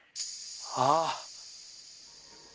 ああ！